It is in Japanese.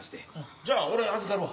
じゃあ俺預かるわ。